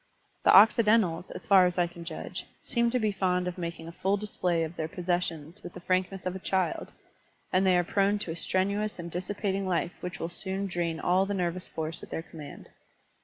The Occidentals, as far as I can judge, seem to be fond of making a full display of their possessions with the frankness of a child ; and they are prone to a strenuous and dissipating life which will soon drain all the nervous force at their command.